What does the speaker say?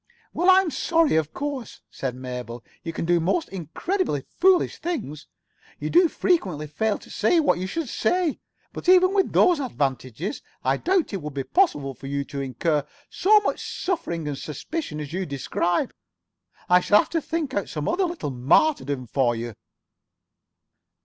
"Well, I'm sorry, of course," said Mabel. "You can do most incredibly foolish things. You do frequently fail to say what you should say. But even with those advantages, I doubt if it would be possible for you to incur so much suffering and suspicion as you describe. I shall have to think out some other little martyrdom for you."